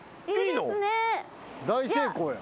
大成功や。